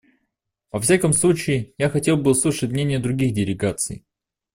Во всяком случае, я хотел бы услышать мнения других делегаций.